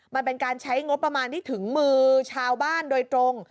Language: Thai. มันเป็นการใช้งบประมาณที่ถึงมือชาวบ้านโดยตรง